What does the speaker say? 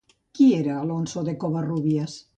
Què era Alonso de Covarrubias?